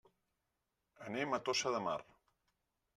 Anem a Tossa de Mar.